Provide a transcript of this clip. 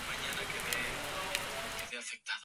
Por su valentía fue comparado entonces con Roger de Lauria.